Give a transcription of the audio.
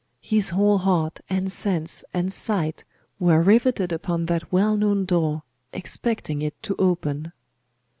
His whole heart, and sense, and sight, were riveted upon that well known door, expecting it to open....